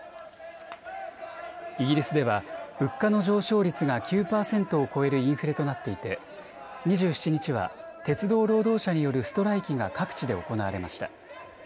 イギリスでは物価の上昇率が９％を超えるインフレとなっていて２７日は鉄道労働者によるストライキが各地で行われました。